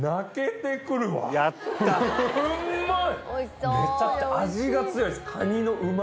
うまい！